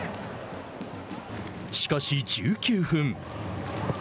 しかし１９分。